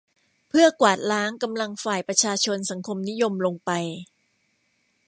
เพื่อกวาดล้างกำลังฝ่ายประชาชนสังคมนิยมลงไป